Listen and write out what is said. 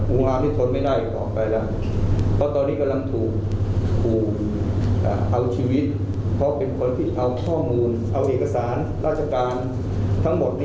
อุหาที่ทนไม่ได้ต่อไปแล้วเพราะตอนนี้กำลังถูกกูเอาชีวิตเพราะเป็นคนที่เอาข้อมูลเอาเอกสารราชการทั้งหมดทั้งหมดทั้งหมด